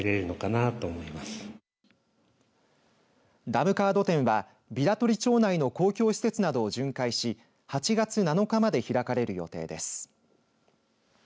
ダムカード展は、平取町内の公共施設などを巡回し８月７日まで開かれる予定です。